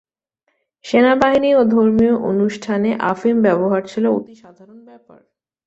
সেনাবাহিনী ও ধর্মীয় প্রতিষ্ঠানে আফিম ব্যবহার ছিল অতি সাধারণ ব্যাপার।